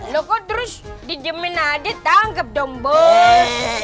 lo kok terus dijamin aja tangkap dong bos